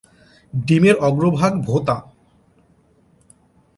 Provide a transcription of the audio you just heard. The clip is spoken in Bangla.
ডিমের অগ্রভাগ ভোঁতা।